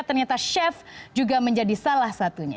ternyata chef juga menjadi salah satunya